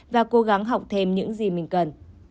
và cố gắng học thêm những gì mình cần